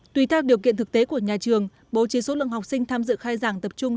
tùy theo điều kiện thực tế của nhà trường bố trí số lượng học sinh tham dự khai giảng tập trung